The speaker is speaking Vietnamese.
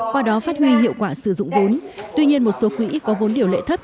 qua đó phát huy hiệu quả sử dụng vốn tuy nhiên một số quỹ có vốn điều lệ thấp